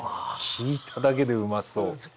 聞いただけでうまそう！